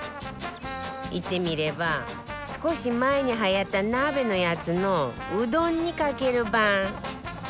言ってみれば少し前に流行った鍋のやつのうどんにかける版